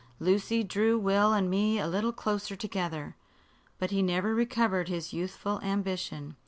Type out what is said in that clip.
Lucy drew Will and me a little closer together, but he never recovered his youthful ambition.